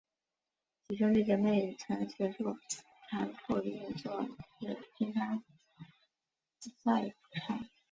几兄弟姊妹曾协助谭父运作冶金山寨厂。